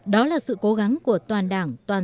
đó là sự cố gắng của toàn đảng toàn dân